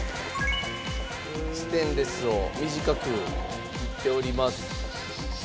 「ステンレスを短く切っております」